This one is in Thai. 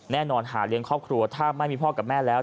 แน่นอนหาเลี้ยงครอบครัวถ้าไม่มีพ่อกับแม่แล้ว